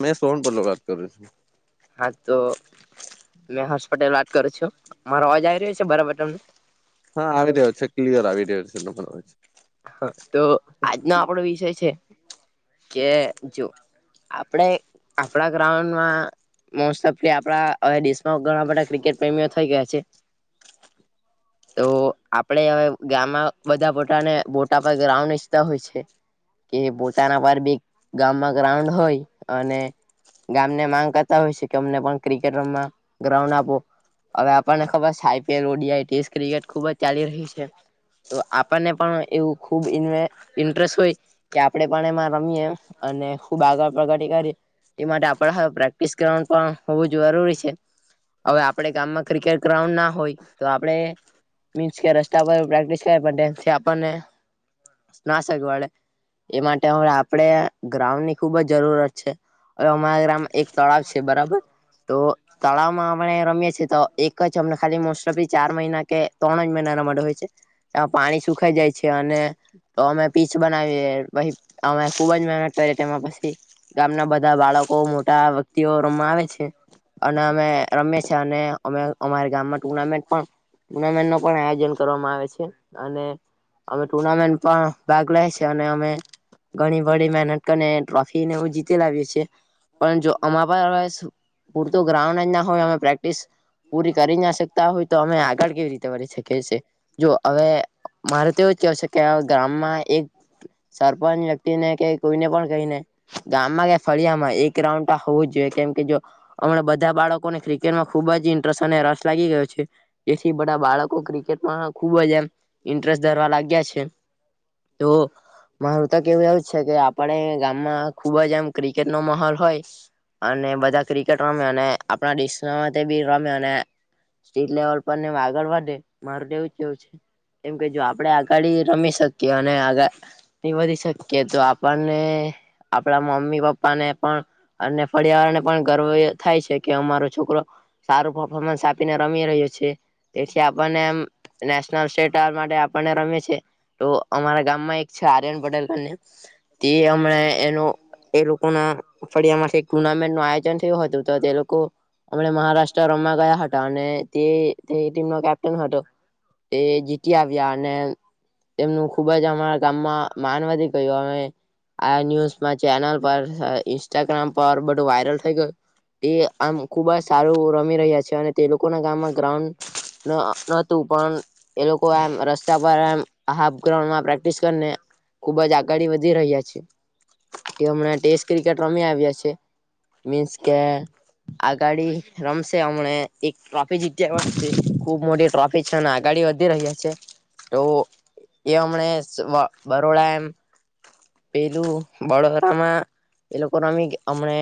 મેં સોહન પલ્લો વાત કરું છું. હા તો મેં હર્ષ પટેલ વાત કરું છું મારો અવાજ આવી રહ્યો છે બરાબર તમને? હા આવી રહ્યો છે ક્લિયર આવી રહ્યો છે ડબલ આવે છે. હ તો આજનો આપડો વિષય છે કે જો. આપણે આપણા ગ્રાઉન્ડમાં મોસ્ટ ઓફલી આપડા હવે દેશમાં ઘણા બધા ક્રિકેટ પ્રેમીઓ થઈ ગયા છે. [inaudible] તો આપડે હવે ગામમાં બધા પોટાને બોટા પર ગ્રાઉન્ડ ઈચતા હોય છે. કે પોતાના પર બી ગામમાં ગ્રાઉન્ડ હોય અને ગામને માંગ કરતા હોય છે કે અમને પણ ક્રિકેટ રમવા ગ્રાઉન્ડ આપો હવે આપણને ખબર છે I P L O D I test cricket ખુબ જ ચાલી રહી છે. તો આપણને પણ એવું ખૂબ ઇનવે ઇન્ટરેસ્ટ હોય કે આપડે પણ એમાં રમીએ અને ખુબ આગળ પ્રગડી કરીયે એ માટે આપ હવે પ્રેક્ટિસ કરવાનું પણ હોવું જરૂરી છે. હવે આપડે ગામમાં ક્રિકેટ ગ્રાઉન્ડ ના હોય તો આપડે મીન્સ કે રસ્તા પર પ્રેક્ટિસ કરવી પડે સે આપણને નાશક વાડે એ માટે હવે આપડે ગ્રાઉન્ડ ની ખુબ જ જરૂરત છે. અવે અમારા ગ્રામ એક તળાવ છે બરાબર. તો તળાવમાં અમણે રમીએ છીએ તો એક જ અમને ખાલી મોસ્ટ ઓફલી ચાર મહિના કે તણ જ મહિના અનમાડુ હોય છે એમાં પાણી સુખાય જાય છે અને તો અમે પીચ બનાવીએ પહી અમે ખુબ જ મહેનત કરીએ તેમાં પસી ગામના બધા બાળકો મોટા વક્તિઓ રમવા આવે છે. અને અમે રમીએ છે અને અમે અમારી ગામમાં ટુર્નામેન્ટ પણ ટુર્નામેન્ટ નું પણ આયોજન કરવામાં આવે છે અને અમે ટુર્નામેન્ટ પણ ભાગ લેય છે અને અમે ઘણી વઢી મેનટ કરીને ટ્રોફી ને એવુ જીતી લાવીએ છે. પણ જો અમાર પા [unintelligible] પુરતુ ગ્રાઉન્ડ જ ના હોય અમે પ્રેક્ટિસ પૂરી કરી જ ના શકતા હોય તો અમે આગળ કેવી રીતે વધી શકીએ છે જો અવે મારે તો એવું જ કેવુ છે કે અવે ગામમાં એક સરપંચ વ્યક્તિને કે કોઈને પણ કઈને ગામમાં કે ફળિયા માં એક રાઉન્ડ હોવું જ જોઈએ કેમ કે જો અમણાં બધા બાળકોને ક્રિકેટમાં ખુબ જ ઇન્ટરસ અને રસ લાગી ગયો છે એ છ થી બધા બાળકો ક્રિકેટમાં ખુબ જ એમ ઇન્ટરેસ્ટ ધરવા લાગ્યા છે. તો મારું તો કેવું એવું જ છે કે આપડે ગામમાં ખુબ જ એમ ક્રિકેટ નો માહોલ હોય અને બધા ક્રિકેટ રમે અને આપણા દેશના માટે બી રમે અને સ્ટેટ લેવલ પર નેમ આગળ વધે મારુ તો એવું જ કેવું છે એમ કે જો આપડે આ ગાળી રમી શકીએ અને આગળ થી વધી શકીએ તો આપણને આપડા મમ્મ મી પપ્પાને પણ અને ફળિયા આળાને પણ ગર્વ એ થાય છે કે અમારો છોકરો સારું પફોર્મન્સ આપીને રમી રહ્યો છે તેથી આપણને એમ નેશનલ સ્ટેટ [unintelligible] માટે આપણને રમી તો અમારા ગામમાં એક છે આર્યન પટેલ કરને તે અમણે એનું એ લોકોના ફળિયામાંથી ટુર્નામેન્ટનું આયોજન થ્યું હતું તો તે લોકો અમણે મહારાષ્ટ્ર રમવા ગયા હટા અને તે તે ટીમનો કેપ્ટન હટો ટે જીતી આવ્યા ને એમનું ખુબ જ અમારા ગામમાં માન વધી ગયુ અવે આ ન્યુઝમાં ચેનલ પર સ અ ઇન્સ્ટાગ્રામ પર બઢુ વાયરલ થઈ ગયું ટે આમ ખુબ જ સારું રમી રહ્યા છે અને તે લોકોના ગામમાં ગ્રાઉન્ડ ન નતું પણ એ લોકો એમ રસ્તા પર એમ હાફ ગ્રાઉન્ડમાં પ્રેક્ટિસ કરને ખુબ જ આગાળી વધી રહ્યા છે કે અમણા ટેસ્ટ ક્રિકેટ રમી આવ્યા છે મીન્સ કે આગાડી રમશે અમણે એક ટ્રોફી જતી આવ્યા [unintelligible] ખુબ મોટી ટ્રોફી છે અને આગા ડી વધી રહ્યા છે તો એ અમણે સ બરોડા એમ પેલું વડોદરામાં એ લોકો રમી ગ અમણે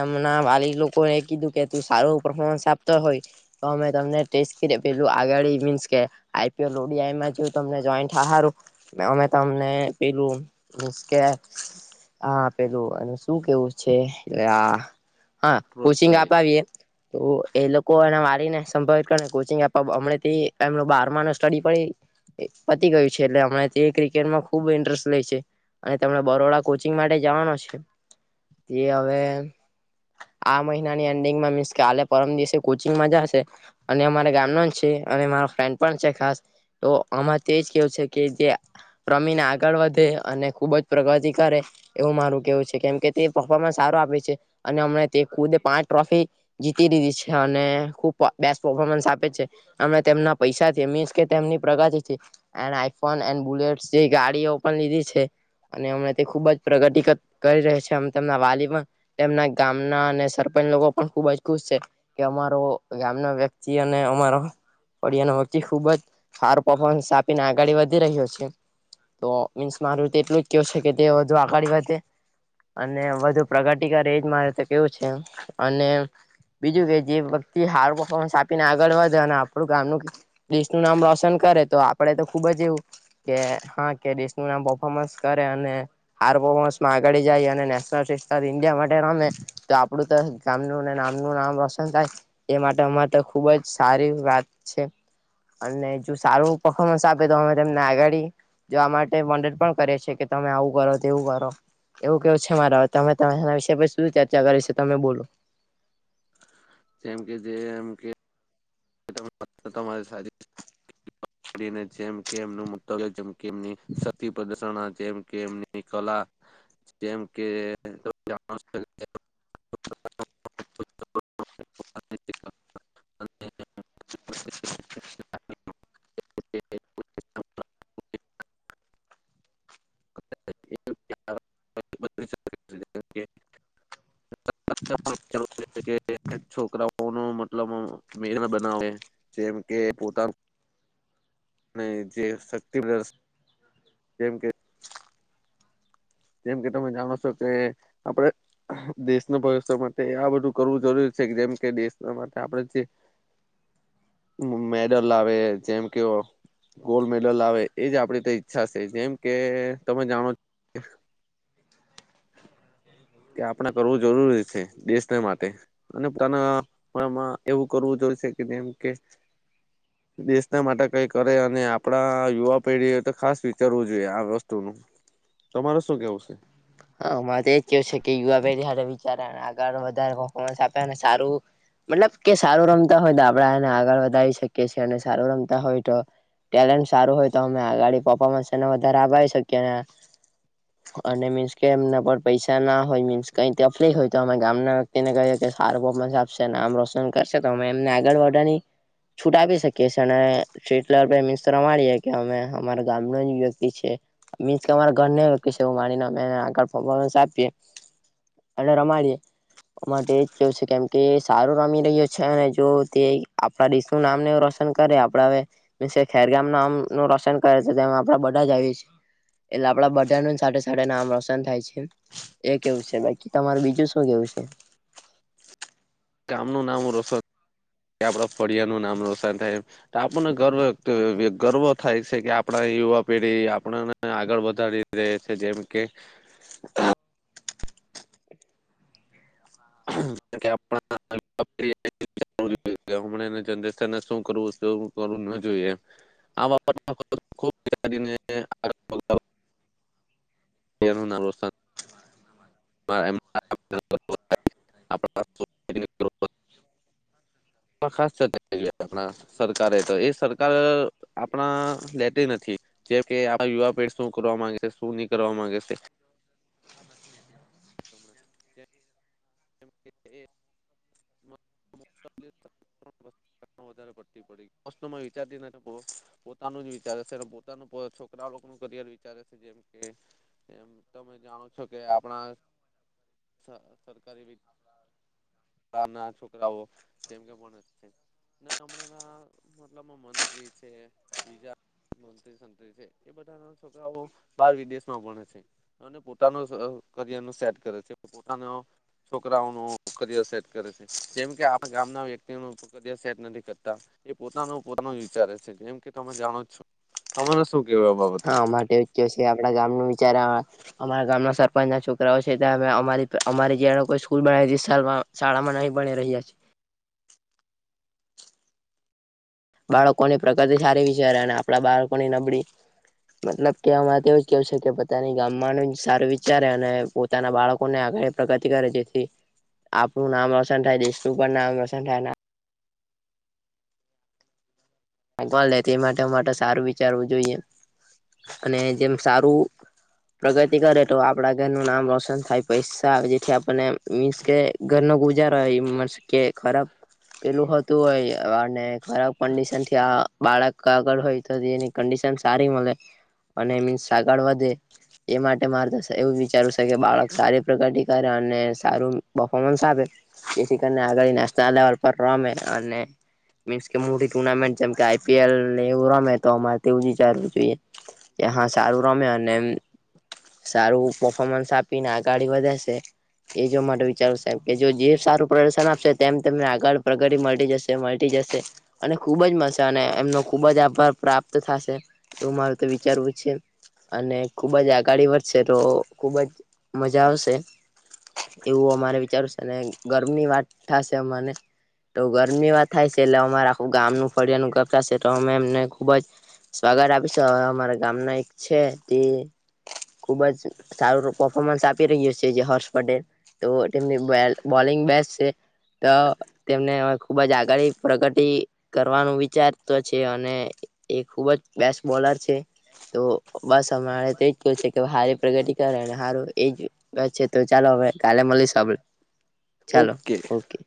એમના વાલી લોકો એ કીધું કે તું સારું પર્ફોમન્સ આપતો હોય તો અમે તમને ટેસ્ટ ક્રિ પેલું આગાડી મીન્સ કે I P L O D આયા માં જો તમને જોઈન્ટ હા હારું અમે તમને પીલું મીન્સ કે હા પેલું એનું શું કેવું છે આ હા કોચિંગ પ્રોત્સાહિત આપાવીએ તો એ લોકો એના વારીને સંભવિત કરને કોચિંગ આપવા હમણે થી એમનુ બારમાંનુ સ્ટડી પણ એ પતી ગયું છે એટલે અમણા તે ક્રિકેટમાં ખુબ ઇન્ટરેસ્ટ લે છે અને તેમણે બરોડા કોચિંગ માટે જવાનો છે તે અવે આ મહિનાની એન્ડિંગમાં મીન્સ કે આલે પરમ દિવસે કોચિંગમાં જાશે અને અમારા ગામનો છે અને મારો ફ્રેન્ડ પણ છે ખાસ તો અમા તો એજ કેવું છે કે તે રમીને આગળ વધે અને ખુબ જ પ્રગતિ કરે એવુ મારું કેવુ છે કેમ તે પફોર્મન્સ સારો આપે છે અને અમણે તે ખુદ પાંચ ટ્રોફી જીતી દીધી છે અને ખૂબ બેસ પફોર્મન્સ આપે છે અમે તેમના પૈસાથી મીન્સ કે તેમની પ્રગતિ થી એન્ડ આઈફોન એન બુલેટ્સ જે ગાડીઓ પણ લીધી છે અને હમણા તે ખુબ જ પ્રગતિ કર કરી રહ્યા છે તેમના વાલી માં તેમના ગામના અને સર સરપંચ લોકો પણ ખુબ જ ખુશ છે. કે અમારો ગામ નો વ્યક્તિ અને અમારો ફડિયા નો વ્યક્તિ ખુબ જ ફાર પફોર્મન્સ આપીને આગળ વધી રહ્યો છે. તો મીન્સ મારું તો એટલું જ કેવું છે કે તે હજૂ અગાડી વધે. અને વધુ પ્રગતિ કરે એજ મારે તો કેવું છે અને બીજું કે જે વ્યતિ હાર્ડ પરફોર્મન્સ આપીને આગળ વધે અને આપણું ગામનું લિસ્ટ નું નામ રોશન કરે તો આપડે તો ખુબ જ એવું કે હા કે દેશનું નામ પફોર્મન્સ કરે અને હાર પફ પરફોર્મન્સ માં અગાડી જાય અને નેશનલ ઇન્ડિયા માટે રમે તો આપડું તો ગામ નું ને નામનું નામ પસંદ થાય એ માટે અમારે તો ખુબ જ સારી વાત છે અને જો સારું પર્ફોર્મન્સ આપે તો અમે તમને આગાડી જવા માટે વડ પણ કરે છે કે તમે આવું કરો, તેવું કરો એવું કેવું છે મારા હવે તમે મેના વિશે પછી સુધી ચર્ચા કરે છે તમે બોલો જેમ કે જે એમ કે તમારી સારી પકડી ને જેમ કે એમનું મુલ્તવ્ય કે એમની શક્તિ પ્રદશન જેમ કે એમની કલા જેમ કે [inaudible] [inaudible] [inaudible] [inaudible] [inaudible] કે છોકરાઓનું મતલબ મેર બનાવે જેમ કે પોતાનું અને જે શક્તિવશ જેમ કે જેમ કે તમે જાણો છો કે આપડે દેશના ભવિષ્ય માટે આ બધું કરવું જરૂરી છે. જેમ કે દેશના માટે આપણે જે મ મેડલ આવે જેમ કે ગોલ્ડ મેડલ આવે એજ આપણી તો ઈચ્છા છે જેમ કે તમે જાણો છો [inaudible] કે આપણે કરવું જરૂરી છે દેશને માટે અને પોતાનામાં એવું કરવું જરૂરી જરૂરી છે જેમ કે દેશના માટે કઈ કરે અને આપડા યુવા પેઢીએ તો ખાસ વિચારવું જોઈએ આ વસ્તુ નું તમારે શું કેવું છે? હા મારે એજ કેવુ છે કે યુવા પેઢી સાથે વિચાર આળ વધારવા આપે સારું મતલબ કે સારું રમતા હોય તો આપણે એને આગળ વધારી શકીએ છીએ અને સારું રમતા હોય તો ટેલેન્ટ સારું હોય તો અમે આગાડી પરફોર્મન્સ એને વધારે આવી શકીએ ને અને મીન્સ કે એમના પર પૈસા ના હોય મીન્સ કઈ તકલીફ હોય તો અમે ગામ ના વ્યક્તિને કય કે સારું પરફોર્મ્સ આપશે ને નામ રોશન કરશે તો અમે એમને આગળ વધવાની છૂટ આપી શકીએ છે અને અને્રીટ લેવલ પર એમ તો રમાડીએે કે અમે અમારા ગામનો જ વ્યક્તિ છે. મી કે અરા ઘર માને આગળ પરફોમસ આપયે. અને રમાડીએ. માટે એ કેવું છે કેમ કે સારું રમી રહ્યો છે અને જો તે આપણા દેશનું નામ ને રોશન રોશન કરે. આપડા હવે મ ખેરગામ નામ નું રોશન કરે છે આપડે બધા જ આવી જઈએ છે. એટલે આપડા બધા નું સાથે સાથે નામ રોશન થાય છે એ કેવું છે બાકી તમારું બીજું શું કેવું છે? ગામનું નામ રોશન કે આપડા ફળિયા નું નામ રોશન થાય તો આપણને ગર્વ ગર્વ થાય છે કે આપણા યુવા પેઢી આપણને આગળ વધારી રેહ છે જેમ કે આપડા [inaudible] હમંનેના જનરેશન શું કરવું જોઈ, શું કરવું ન જોઈએ આ બાપબને [unintelligible] [unintelligible] [unintelligible] ખાસ ચર્ચા [unintelligible] આપણા સરકારે તો, એ સરકાર આપણા લેતી નથી. જેમ કે આ યુવા પેઢી શું કરવા માંગે છે, શું નહી કરવા માંગે છે. અમના [unintelligible] વધારે પડતી પડી. [unintelligible] વિચારતી નથી બો, પોતાનું જ વિચારે ને પોતા છોકરા લોકો કરયર વિચારે છે, જેમ કે તેમ, તમે જાણો છો કે આપણા સ સરકારી વિભ ગ ના છોકરાઓ જેમ કે ભણે છે. ના હમણાં ના મતલબમાં મંત્રી છે, બીજા મંત્રી સંત્રી છે, એ બધા ના છોકરાઓ બાર વિદેશમાં ભણે છે અને પોતાનો કરિયર નું સેટ કરે છે. પોતાનો છોકરાઓનું કરિયર સેટ કરે છે, જેમ કે આપણા ગામના વ્યક્તિનું કરિયર સેટ નથી કરતા. એ પોતાનું પોતાનું વિચારે છે, જેમ કે તમે જાણોજ છો, તમારો શું? કેવું આ બાબતમાં હા, માટે કે છે આપડા ગામ ન વિચારા અમારા ગામના સરપંચ ના છોકરાઓ છે તા અમે અમારી, અમારી જે એલોકો સ્કૂલ બનાવી શાળા શાળામાં [unintelligible] બની રહીયા છે. [inaudible] બાળકોની પ્રગતિ સારી વિચારે અને આપડા બાળકોની નબળી. મતલબ કે અમારે તેવુંજ કેવુ છે કે પોતાની ગામમાંનું જ સારું વિચારે અને પોતાના બાળકોને આ ગર પ્રગતિ કરે, જેથી આપણું નામ રોશન થાય, દેશનું પણ નામ રોશન થાય [inaudible] ભગવાન લે તે માટે માટે સારું વિચારવું જોઈએ અને જેમ સારું. પ્રગતિ કરે તો આપડા ઘરનું નામ રોશન થાય, પૈસા આવે જેથી આપણને મીન્સ કે ઘરના [unintelligible] કે ખરાબ પેલું હતું હોય અને ખરાબ કંડીશનથી ત્યાં બાળક આગળ હોય, તો એની કંડિશન સારી મળે અને મીન્સ આગળ વધે એ માટે મારે તો એવું વિચારું છે કે બાળક સારી પ્રગતિ કરે અને સારું પફોમન્સ આપે. જેથી કરીને આગળ નેશનલ લેવલ પર રમે અને મીન્સ કે મોટી ટુર્નામેન્ટ. જેમ કે આઈ પી એલ ને એવું રમે તો અમારે તેવું જ વિચારવું જોઈએ. એ હા સારું રમે અને એ સારું પફોર્મન્સ આપીને આગાડી વધે છે. એજો માટે વિચારું સાહેબ, કે જો જે સારું પ્રદર્શન આપશે, તેમ તેમને આગળ પ્રગડી મળતી જશે મળતી જશે અને ખુબજ મસ્ત અને એમનો ખુબજ આભાર પ્રાપ્ત થશે, એવું મારું તો વિચારવું છે. અને ખુબજ આગાડી વધશે તો ખુબજ મજા આવશે. એવું અમારે વિચારું છે ને ગર્વની વાત થશે અમાને તો ગર્વની વાત થાય છે, એટલે અમારે આખું ગામ નું ફળિયાનું [unintelligible] તો અમે એમને ખુબજ સ્વાગત આપીશું. હવે અમારા ગામના એક છે તે ખુબ જ સારું પર્ફોમન્સ આપી રહ્યું છે, જે હર્ષ પટેલ તો તેમની બોલિંગ બેસ્ટ છે, તો તેમને ખુબજ આગળ પ્રગતિ કરવાનું વિચારતો છે અને એ ખુબ જ બેસ્ટ બોલર છે. તો બસ અમારે તો એજ કહેવું છે કે હારી પ્રગતિ કરે, સારું એજ વાત છે, તો ચાલો. હવે કાલે મળીશું આપડે. [inaudible] ચાલો, ઓકે.